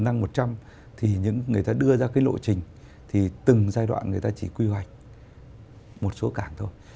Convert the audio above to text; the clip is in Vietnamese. những cái điểm tiềm năng một trăm linh thì những người ta đưa ra cái lộ trình thì từng giai đoạn người ta chỉ quy hoạch một số cảng thôi